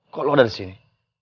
kok lu ada disini